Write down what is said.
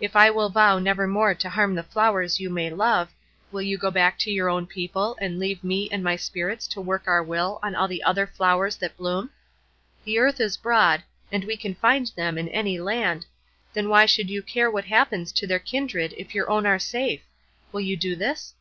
If I will vow never more to harm the flowers you may love, will you go back to your own people and leave me and my Spirits to work our will on all the other flowers that bloom? The earth is broad, and we can find them in any land, then why should you care what happens to their kindred if your own are safe? Will you do this?"